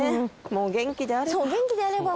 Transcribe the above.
もう元気であれば。